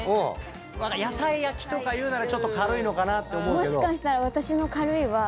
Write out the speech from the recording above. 野菜焼きとかいうならちょっと軽いのかなって思うけど。